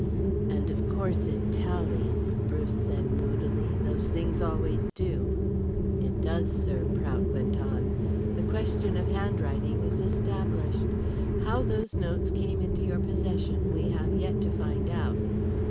"And of course it tallies," Bruce said moodily. "Those things always do." "It does, sir," Prout went on. "The question of handwriting is established. How those notes came into your possession we have yet to find out."